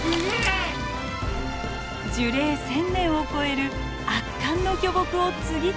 樹齢１，０００年を超える圧巻の巨木を次々と発見。